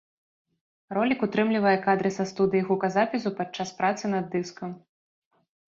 Ролік утрымлівае кадры са студыі гуказапісу падчас працы над дыскам.